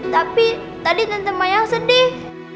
tapi tadi tante mayang sedih